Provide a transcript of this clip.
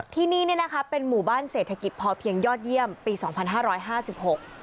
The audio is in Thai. ที่นี่เนี่ยนะคะเป็นหมู่บ้านเศรษฐกิจพอเพียงยอดเยี่ยมปีสองพันห้าร้อยห้าสิบหก